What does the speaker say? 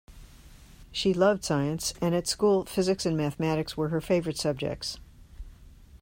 She loved science, and at school physics and mathematics were her favourite subjects